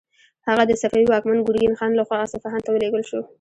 هغه د صفوي واکمن ګرګین خان لخوا اصفهان ته ولیږل شو.